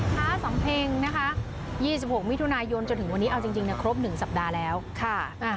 ห้าสองเพลงนะคะยี่สิบหกมิถุนายนจนถึงวันนี้เอาจริงจริงนะครบหนึ่งสัปดาห์แล้วค่ะอ่า